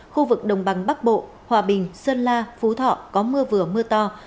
khu vực đồng bằng bắc bộ hòa bình sơn la phú thọ có mưa vừa mưa to